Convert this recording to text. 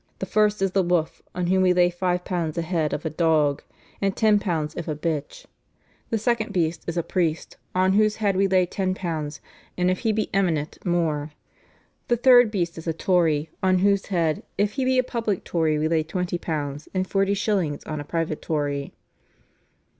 The first is the wolf, on whom we lay five pounds a head of a dog, and ten pounds if a bitch. The second beast is a priest, on whose head we lay ten pounds, and if he be eminent, more. The third beast is a Tory, on whose head, if he be a public Tory we lay twenty pounds, and forty shillings on a private Tory."